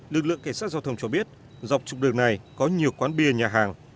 lực lượng cảnh sát giao thông cho biết dọc trục đường này có nhiều quán bia nhà hàng